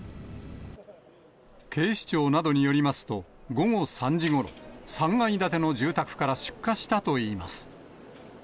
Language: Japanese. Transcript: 警視庁などによりますと、午後３時ごろ、３階建ての住宅から出火したといいます。